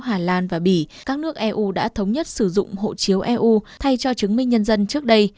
hà lan và bỉ các nước eu đã thống nhất sử dụng hộ chiếu eu thay cho chứng minh nhân dân trước đây